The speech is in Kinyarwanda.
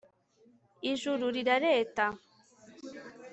ijuru rirareta